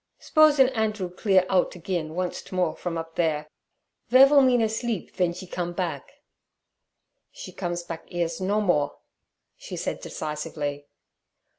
'S'posin' Andrew clear oudt agen oncet more from up there, vere vill Mina sleeb ven she come back?' 'She comes back 'eres no more' she said decisively.